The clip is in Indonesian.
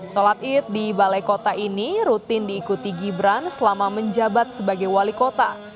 sholat id di balai kota ini rutin diikuti gibran selama menjabat sebagai wali kota